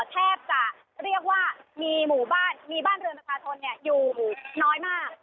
แทบจะเรียกว่ามีหมู่บ้านมีบ้านเรือนประชาชนอยู่น้อยมาก